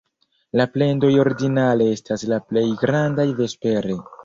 La plendoj ordinare estas la plej grandaj vespere.